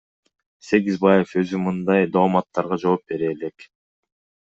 Сегизбаев өзү мындай дооматтарга жооп бере элек.